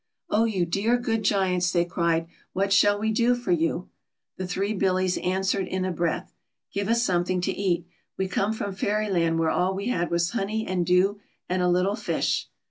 "Oh! \ou dear, good Giants," they cried, "what shall we do for you V Tiie three Billies answered in a breath: "Give us something to eat. We come from Fair\ land, where all we had was honey and dew, and a little fish."